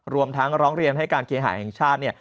รวมทั้งร้องเรียนให้การเคหาแห่งชาติเนี่ย